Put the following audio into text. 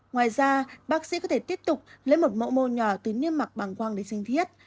ngoài ra bác sĩ có thể tiếp tục lấy một mẫu mô nhỏ từ niêm mạc bằng quang đến sinh thiết